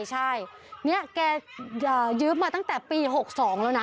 ใช่นี่แกยืมมาตั้งแต่ปี๖๒แล้วนะ